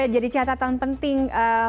jadi catatan penting